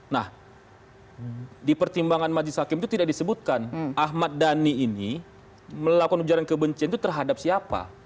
nah di pertimbangan majlis hakim itu tidak disebutkan ahmad dhani ini melakukan ujaran kebencian itu terhadap siapa